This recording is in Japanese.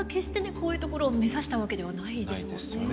こういうところを目指したわけではないですもんね。